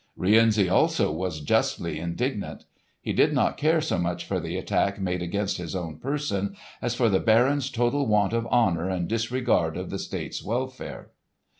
Rienzi also was justly indignant. He did not care so much for the attack made against his own person as for the barons' total want of honour and disregard of the state's welfare.